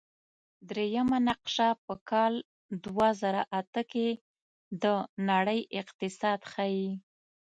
دریمه نقشه په کال دوه زره اته کې د نړۍ اقتصاد ښيي.